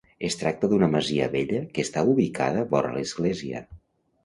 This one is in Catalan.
Es tracta d'una masia vella que està ubicada vora l'església.